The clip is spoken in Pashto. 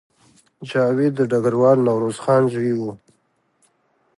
جاوید د ډګروال نوروز خان زوی و